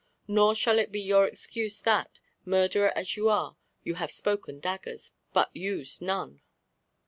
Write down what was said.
Nor shall it be your excuse that, murderer as you are, you have spoken daggers, but used none."